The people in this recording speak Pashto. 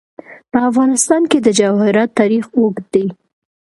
په افغانستان کې د جواهرات تاریخ اوږد دی.